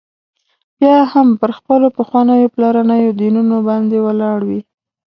بیا هم پر خپلو پخوانیو پلرنيو دینونو باندي ولاړ وي.